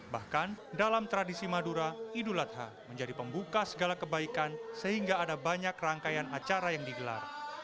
bahkan dalam tradisi madura idul adha menjadi pembuka segala kebaikan sehingga ada banyak rangkaian acara yang digelar